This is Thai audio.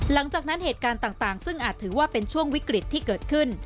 หลังจากนั้นเหตุการณ์ต่างซึ่งอาจถือว่าเป็นช่วงวิกฤตที่เกิดขึ้น